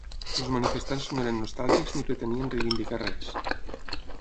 Els manifestants no eren nostàlgics ni pretenien reivindicar res.